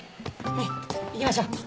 はい行きましょう。